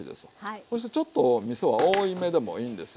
そしてちょっとみそは多いめでもいいんですよ。